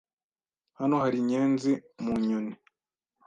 Hano hari inyenzi mu nyoni.